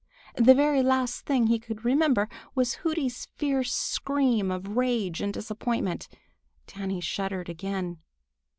The very last thing he could remember was Hooty's fierce scream of rage and disappointment. Danny shuddered again.